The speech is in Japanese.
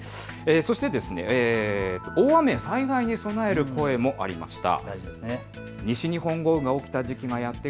大雨や災害に備える声もありました。